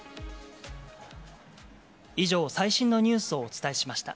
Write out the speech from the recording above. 以上、最新のニュースをお伝えしました。